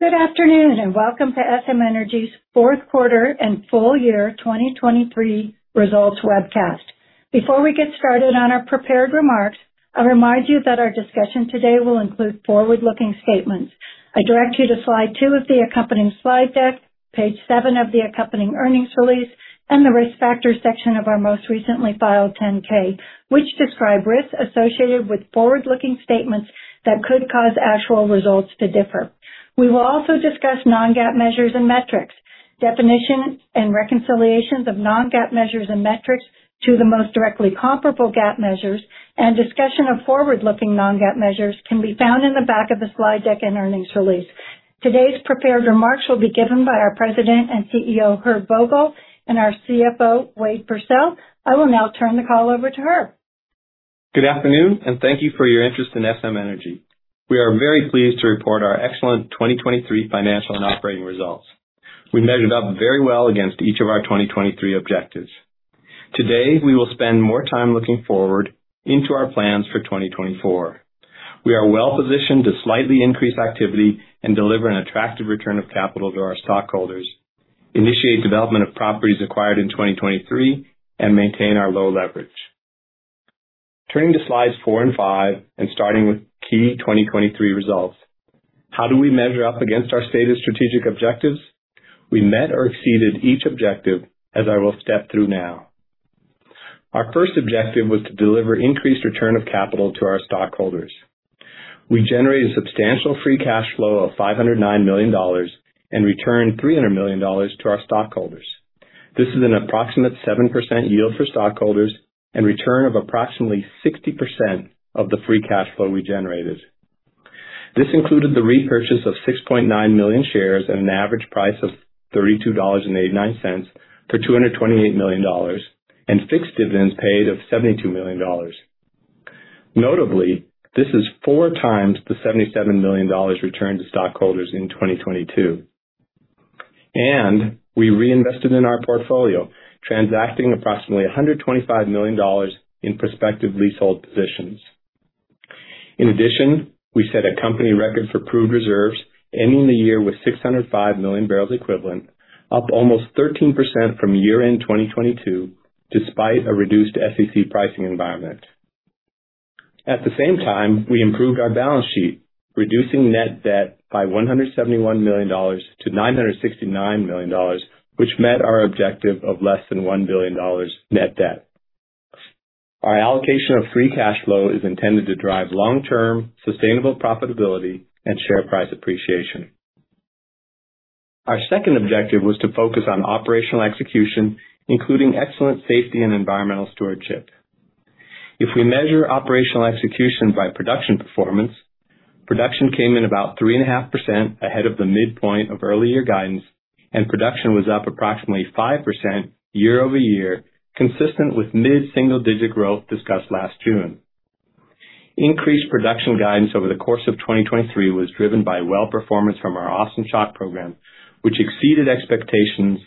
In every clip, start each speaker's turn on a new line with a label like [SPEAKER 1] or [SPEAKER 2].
[SPEAKER 1] Good afternoon, and welcome to SM Energy's fourth quarter and full year 2023 results webcast. Before we get started on our prepared remarks, I'll remind you that our discussion today will include forward-looking statements. I direct you to slide 2 of the accompanying slide deck, page 7 of the accompanying earnings release, and the Risk Factors section of our most recently filed 10-K, which describe risks associated with forward-looking statements that could cause actual results to differ. We will also discuss non-GAAP measures and metrics. Definitions and reconciliations of non-GAAP measures and metrics to the most directly comparable GAAP measures and discussion of forward-looking non-GAAP measures can be found in the back of the slide deck and earnings release. Today's prepared remarks will be given by our President and CEO, Herb Vogel, and our CFO, Wade Pursell. I will now turn the call over to Herb.
[SPEAKER 2] Good afternoon, and thank you for your interest in SM Energy. We are very pleased to report our excellent 2023 financial and operating results. We measured up very well against each of our 2023 objectives. Today, we will spend more time looking forward into our plans for 2024. We are well positioned to slightly increase activity and deliver an attractive return of capital to our stockholders, initiate development of properties acquired in 2023, and maintain our low leverage. Turning to slides 4 and 5, and starting with key 2023 results, how do we measure up against our stated strategic objectives? We met or exceeded each objective, as I will step through now. Our first objective was to deliver increased return of capital to our stockholders. We generated substantial free cash flow of $509 million and returned $300 million to our stockholders. This is an approximate 7% yield for stockholders and return of approximately 60% of the free cash flow we generated. This included the repurchase of 6.9 million shares at an average price of $32.89 for $228 million, and fixed dividends paid of $72 million. Notably, this is four times the $77 million returned to stockholders in 2022. And we reinvested in our portfolio, transacting approximately $125 million in prospective leasehold positions. In addition, we set a company record for proved reserves, ending the year with 605 million barrels equivalent, up almost 13% from year-end 2022, despite a reduced SEC pricing environment. At the same time, we improved our balance sheet, reducing net debt by $171 million to $969 million, which met our objective of less than $1 billion net debt. Our allocation of free cash flow is intended to drive long-term, sustainable profitability and share price appreciation. Our second objective was to focus on operational execution, including excellent safety and environmental stewardship. If we measure operational execution by production performance, production came in about 3.5% ahead of the midpoint of early year guidance, and production was up approximately 5% year-over-year, consistent with mid-single-digit growth discussed last June. Increased production guidance over the course of 2023 was driven by well performance from our Austin Chalk program, which exceeded expectations,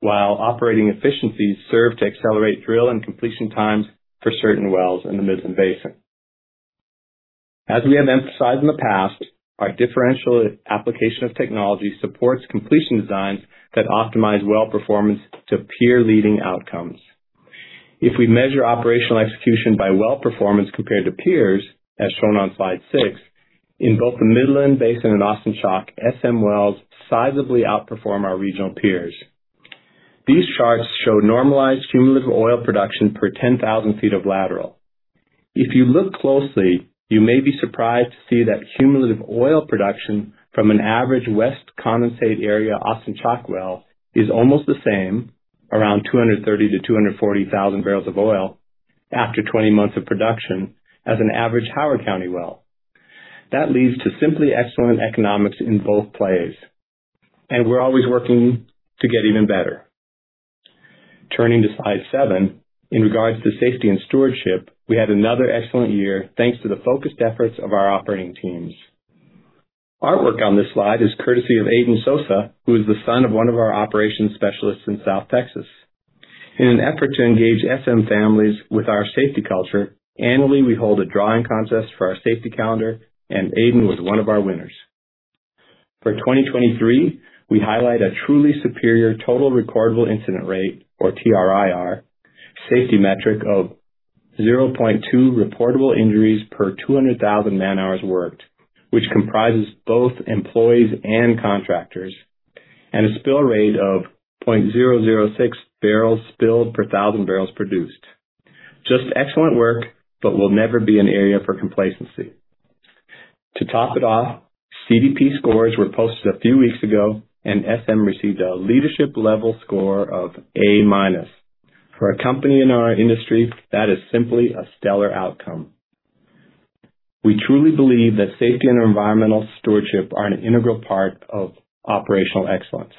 [SPEAKER 2] while operating efficiencies served to accelerate drill and completion times for certain wells in the Midland Basin. As we have emphasized in the past, our differential application of technology supports completion designs that optimize well performance to peer-leading outcomes. If we measure operational execution by well performance compared to peers, as shown on slide 6, in both the Midland Basin and Austin Chalk, SM wells sizably outperform our regional peers. These charts show normalized cumulative oil production per 10,000 feet of lateral. If you look closely, you may be surprised to see that cumulative oil production from an average West Condensate area, Austin Chalk well, is almost the same, around 230,000-240,000 barrels of oil after 20 months of production as an average Howard County well. That leads to simply excellent economics in both plays, and we're always working to get even better. Turning to slide 7, in regards to safety and stewardship, we had another excellent year, thanks to the focused efforts of our operating teams. Artwork on this slide is courtesy of Aiden Sosa, who is the son of one of our operations specialists in South Texas. In an effort to engage SM families with our safety culture, annually, we hold a drawing contest for our safety calendar, and Aiden was one of our winners. For 2023, we highlight a truly superior total recordable incident rate, or TRIR, safety metric of 0.2 reportable injuries per 200,000 man-hours worked, which comprises both employees and contractors, and a spill rate of 0.006 barrels spilled per 1,000 barrels produced. Just excellent work, but will never be an area for complacency. To top it off, CDP scores were posted a few weeks ago, and SM received a leadership-level score of A-. For a company in our industry, that is simply a stellar outcome. We truly believe that safety and environmental stewardship are an integral part of operational excellence.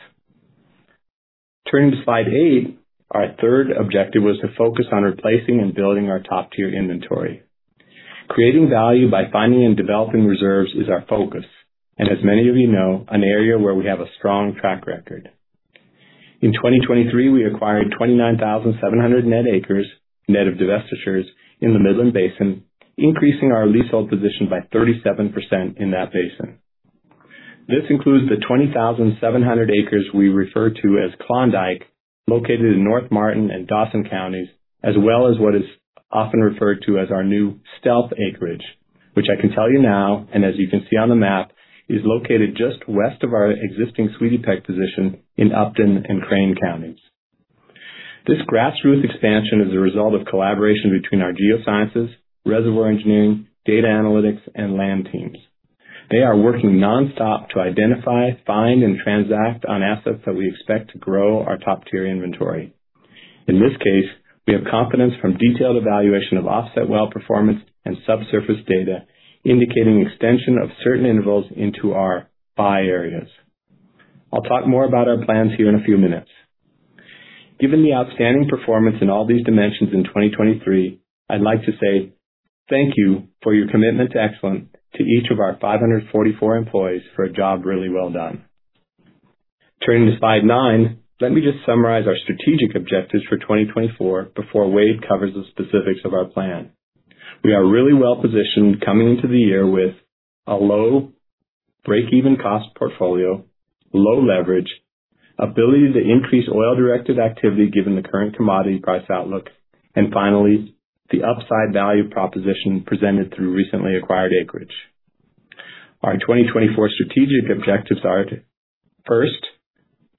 [SPEAKER 2] Turning to slide 8, our third objective was to focus on replacing and building our top-tier inventory. Creating value by finding and developing reserves is our focus, and as many of you know, an area where we have a strong track record.... In 2023, we acquired 29,700 net acres, net of divestitures, in the Midland Basin, increasing our leasehold position by 37% in that basin. This includes the 20,700 acres we refer to as Klondike, located in North Martin and Dawson Counties, as well as what is often referred to as our new stealth acreage, which I can tell you now, and as you can see on the map, is located just west of our existing Sweetie Peck position in Upton and Crane Counties. This grassroots expansion is a result of collaboration between our geosciences, reservoir engineering, data analytics, and land teams. They are working nonstop to identify, find, and transact on assets that we expect to grow our top-tier inventory. In this case, we have confidence from detailed evaluation of offset well performance and subsurface data, indicating extension of certain intervals into our buy areas. I'll talk more about our plans here in a few minutes. Given the outstanding performance in all these dimensions in 2023, I'd like to say thank you for your commitment to excellence, to each of our 544 employees, for a job really well done. Turning to slide 9, let me just summarize our strategic objectives for 2024 before Wade covers the specifics of our plan. We are really well positioned coming into the year with a low breakeven cost portfolio, low leverage, ability to increase oil-directed activity given the current commodity price outlook, and finally, the upside value proposition presented through recently acquired acreage. Our 2024 strategic objectives are, first,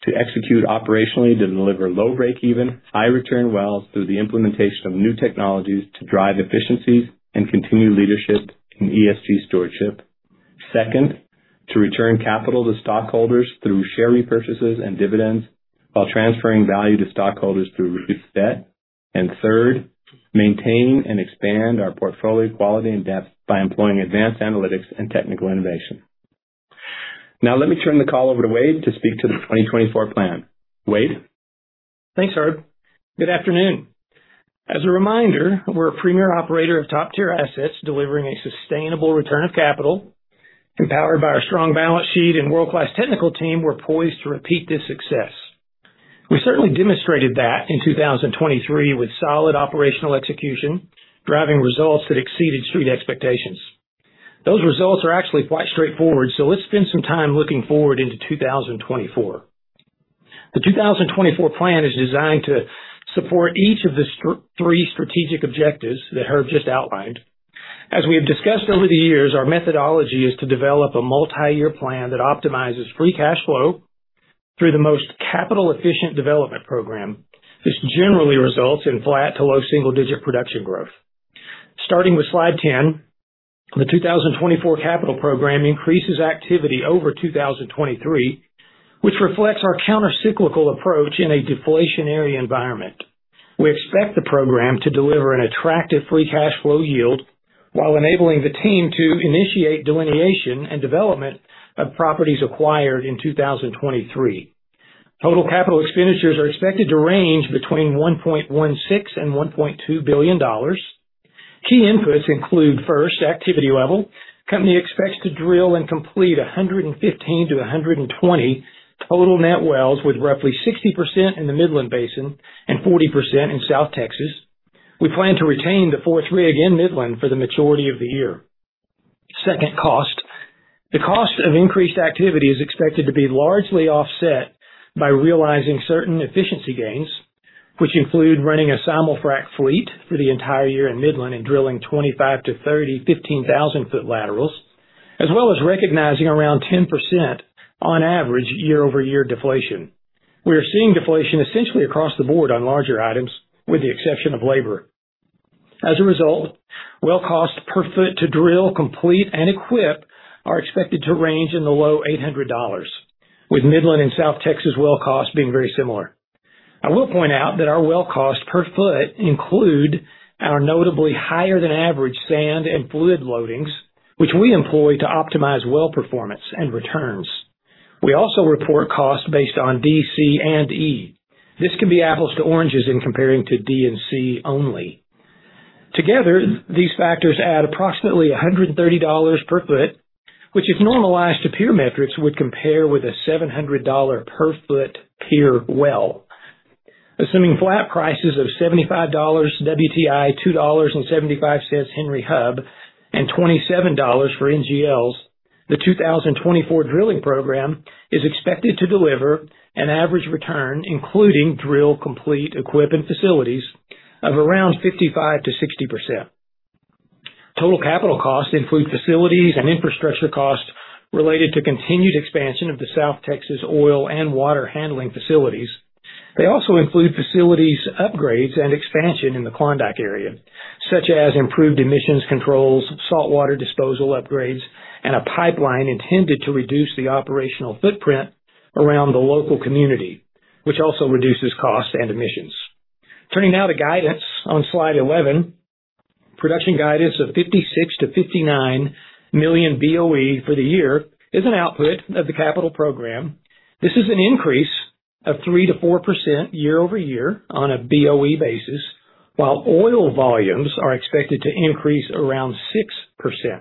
[SPEAKER 2] to execute operationally to deliver low breakeven, high return wells through the implementation of new technologies to drive efficiencies and continue leadership in ESG stewardship. Second, to return capital to stockholders through share repurchases and dividends, while transferring value to stockholders through reduced debt. And third, maintain and expand our portfolio quality and depth by employing advanced analytics and technical innovation. Now, let me turn the call over to Wade to speak to the 2024 plan. Wade?
[SPEAKER 3] Thanks, Herb. Good afternoon. As a reminder, we're a premier operator of top-tier assets, delivering a sustainable return of capital. Empowered by our strong balance sheet and world-class technical team, we're poised to repeat this success. We certainly demonstrated that in 2023 with solid operational execution, driving results that exceeded street expectations. Those results are actually quite straightforward, so let's spend some time looking forward into 2024. The 2024 plan is designed to support each of the three strategic objectives that Herb just outlined. As we have discussed over the years, our methodology is to develop a multiyear plan that optimizes free cash flow through the most capital-efficient development program. This generally results in flat to low single-digit production growth. Starting with slide 10, the 2024 capital program increases activity over 2023, which reflects our countercyclical approach in a deflationary environment. We expect the program to deliver an attractive free cash flow yield while enabling the team to initiate delineation and development of properties acquired in 2023. Total capital expenditures are expected to range between $1.16 billion and $1.2 billion. Key inputs include, first, activity level. Company expects to drill and complete 115-120 total net wells, with roughly 60% in the Midland Basin and 40% in South Texas. We plan to retain the fourth rig in Midland for the majority of the year. Second, cost. The cost of increased activity is expected to be largely offset by realizing certain efficiency gains, which include running a Simul-Frac fleet for the entire year in Midland and drilling 25-30 15,000-foot laterals, as well as recognizing around 10% on average year-over-year deflation. We are seeing deflation essentially across the board on larger items, with the exception of labor. As a result, well cost per foot to drill, complete, and equip are expected to range in the low $800, with Midland and South Texas well costs being very similar. I will point out that our well cost per foot include our notably higher than average sand and fluid loadings, which we employ to optimize well performance and returns. We also report costs based on D, C, and E. This can be apples to oranges in comparing to D and C only. Together, these factors add approximately $130 per foot, which, if normalized to peer metrics, would compare with a $700 per foot peer well. Assuming flat prices of $75 WTI, $2.75 Henry Hub, and $27 for NGLs, the 2024 drilling program is expected to deliver an average return, including drill, complete, equip, and facilities, of around 55%-60%. Total capital costs include facilities and infrastructure costs related to continued expansion of the South Texas oil and water handling facilities. They also include facilities upgrades and expansion in the Klondike area, such as improved emissions controls, saltwater disposal upgrades, and a pipeline intended to reduce the operational footprint around the local community, which also reduces costs and emissions. Turning now to guidance on slide 11. Production guidance of 56-59 million BOE for the year is an output of the capital program. This is an increase of 3%-4% year-over-year on a BOE basis, while oil volumes are expected to increase around 6%....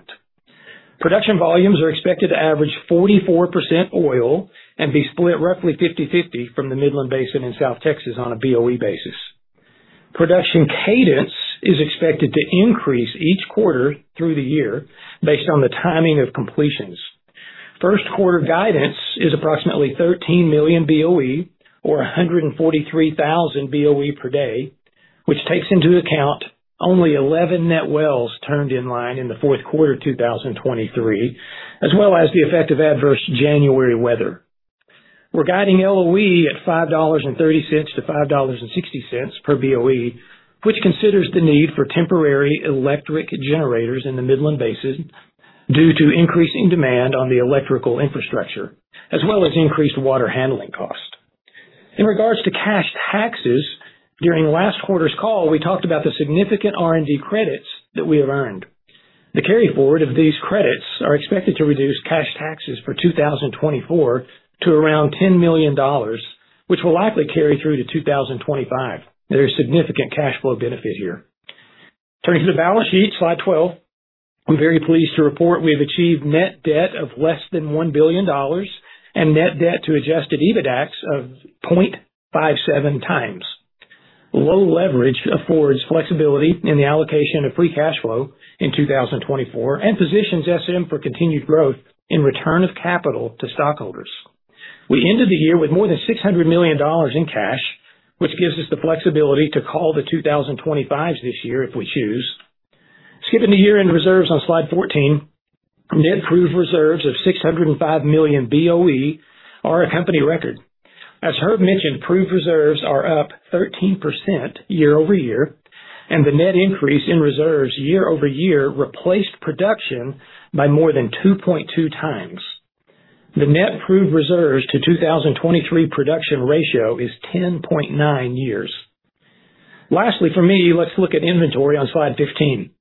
[SPEAKER 3] Production volumes are expected to average 44% oil and be split roughly 50/50 from the Midland Basin in South Texas on a BOE basis. Production cadence is expected to increase each quarter through the year based on the timing of completions. First quarter guidance is approximately 13 million BOE, or 143,000 BOE per day, which takes into account only 11 net wells turned in line in the fourth quarter of 2023, as well as the effect of adverse January weather. We're guiding LOE at $5.30-$5.60 per BOE, which considers the need for temporary electric generators in the Midland Basin due to increasing demand on the electrical infrastructure, as well as increased water handling cost. In regards to cash taxes, during last quarter's call, we talked about the significant R&D credits that we have earned. The carryforward of these credits are expected to reduce cash taxes for 2024 to around $10 million, which will likely carry through to 2025. There is significant cash flow benefit here. Turning to the balance sheet, slide 12. I'm very pleased to report we have achieved net debt of less than $1 billion and net debt to adjusted EBITDAX of 0.57x. Low leverage affords flexibility in the allocation of free cash flow in 2024 and positions SM for continued growth in return of capital to stockholders. We ended the year with more than $600 million in cash, which gives us the flexibility to call the 2025s this year if we choose. Skipping to year-end reserves on slide 14, net proved reserves of 605 million BOE are a company record. As Herb mentioned, proved reserves are up 13% year-over-year, and the net increase in reserves year-over-year replaced production by more than 2.2 times. The net proved reserves to 2023 production ratio is 10.9 years. Lastly, for me, let's look at inventory on slide 15.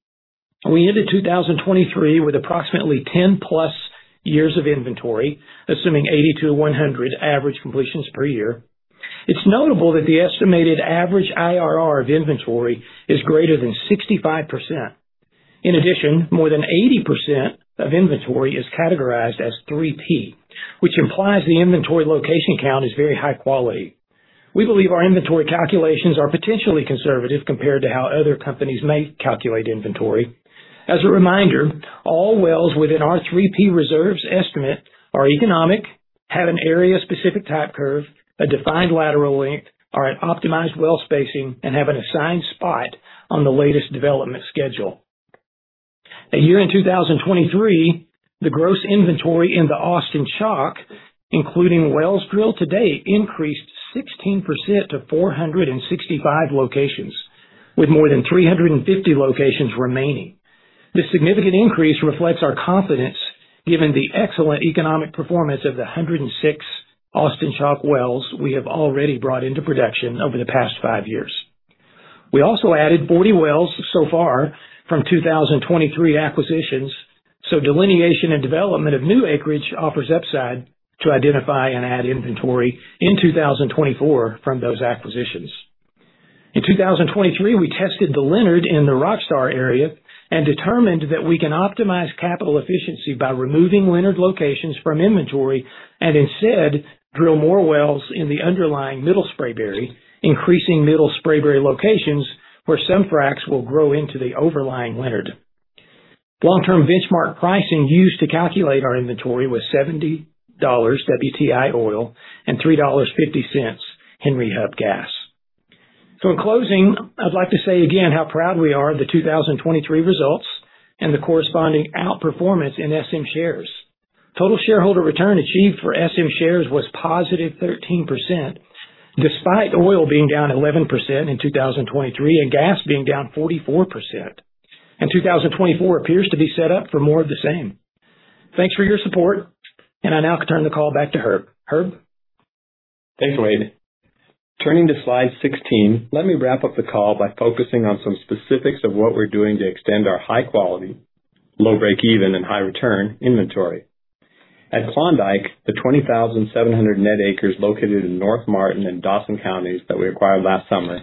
[SPEAKER 3] We ended 2023 with approximately 10+ years of inventory, assuming 80-100 average completions per year. It's notable that the estimated average IRR of inventory is greater than 65%. In addition, more than 80% of inventory is categorized as 3P, which implies the inventory location count is very high quality. We believe our inventory calculations are potentially conservative compared to how other companies may calculate inventory. As a reminder, all wells within our 3P reserves estimate are economic, have an area-specific type curve, a defined lateral length, are an optimized well spacing, and have an assigned spot on the latest development schedule. In 2023, the gross inventory in the Austin Chalk, including wells drilled to date, increased 16% to 465 locations, with more than 350 locations remaining. This significant increase reflects our confidence, given the excellent economic performance of the 106 Austin Chalk wells we have already brought into production over the past 5 years. We also added 40 wells so far from 2023 acquisitions, so delineation and development of new acreage offers upside to identify and add inventory in 2024 from those acquisitions. In 2023, we tested the Leonard in the Rockstar area and determined that we can optimize capital efficiency by removing Leonard locations from inventory and instead drill more wells in the underlying Middle Spraberry, increasing Middle Spraberry locations where some fracs will grow into the overlying Leonard. Long-term benchmark pricing used to calculate our inventory was $70 WTI oil and $3.50 Henry Hub gas. In closing, I'd like to say again how proud we are of the 2023 results and the corresponding outperformance in SM shares. Total shareholder return achieved for SM shares was positive 13%, despite oil being down 11% in 2023, and gas being down 44%. 2024 appears to be set up for more of the same. Thanks for your support, and I now turn the call back to Herb. Herb?
[SPEAKER 2] Thanks, Wade. Turning to slide 16, let me wrap up the call by focusing on some specifics of what we're doing to extend our high quality, low breakeven, and high return inventory. At Klondike, the 20,700 net acres located in North Martin and Dawson Counties that we acquired last summer,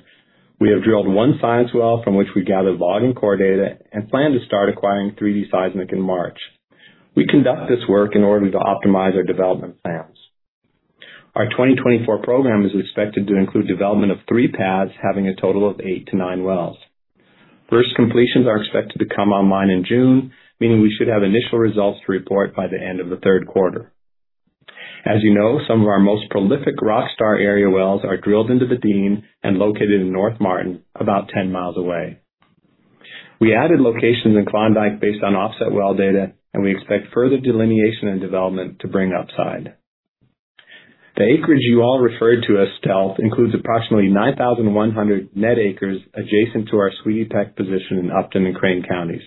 [SPEAKER 2] we have drilled 1 science well from which we gathered log and core data and plan to start acquiring 3-D seismic in March. We conduct this work in order to optimize our development plans. Our 2024 program is expected to include development of 3 pads, having a total of 8-9 wells. First, completions are expected to come online in June, meaning we should have initial results to report by the end of the third quarter. As you know, some of our most prolific Rockstar area wells are drilled into the Dean and located in North Martin, about 10 miles away. We added locations in Klondike based on offset well data, and we expect further delineation and development to bring upside. The acreage you all referred to as Stealth includes approximately 9,100 net acres adjacent to our Sweetie Peck position in Upton and Crane Counties.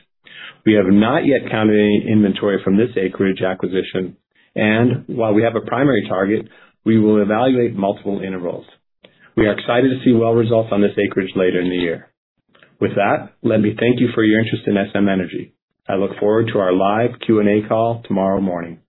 [SPEAKER 2] We have not yet counted any inventory from this acreage acquisition, and while we have a primary target, we will evaluate multiple intervals. We are excited to see well results on this acreage later in the year. With that, let me thank you for your interest in SM Energy. I look forward to our live Q&A call tomorrow morning.